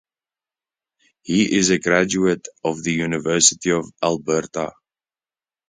He is a graduate of the University of Alberta.